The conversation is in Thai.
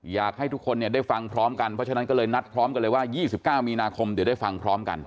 อยากให้ทุกคนได้ฟังพร้อมกันเพราะฉะนั้นก็เลยนัดพร้อมกันเลยว่า๒๙มีนาคมเดี๋ยวได้ฟังพร้อมกัน